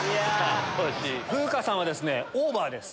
風花さんはオーバーです。